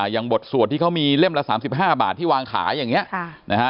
บทสวดที่เขามีเล่มละ๓๕บาทที่วางขายอย่างนี้นะฮะ